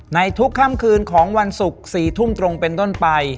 ในทุกค่ำคืนของวันศุกร์๔ทุ่มตรงเป็นต้นไป